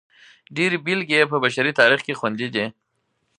ډېرې بېلګې یې په بشري تاریخ کې خوندي دي.